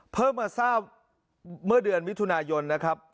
มาทราบเมื่อเดือนมิถุนายนนะครับ